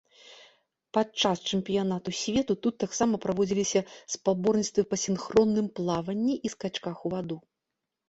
Падчас чэмпіянату свету тут таксама праводзіліся спаборніцтвы па сінхронным плаванні і скачках у ваду.